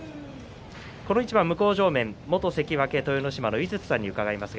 この一番、向正面元関脇豊ノ島の井筒さんに伺います。